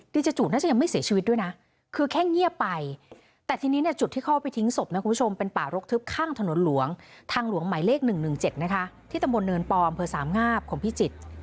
ทางหลวงหมายเลขหนึ่งหนึ่งเจ็ดนะคะที่ตำบลเนินปออำเภอสามงาบของพี่จิต